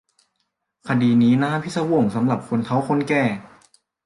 คดีนี้น่าพิศวงสำหรับคนเฒ่าคนแก่